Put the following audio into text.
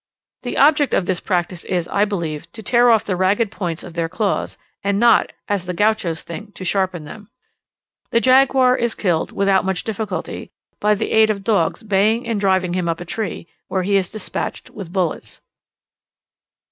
The object of this practice is, I believe, to tear off the ragged points of their claws, and not, as the Gauchos think, to sharpen them. The jaguar is killed, without much difficulty, by the aid of dogs baying and driving him up a tree, where he is despatched with bullets.